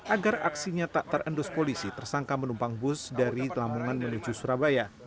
agar aksinya tak terendus polisi tersangka menumpang bus dari lamongan menuju surabaya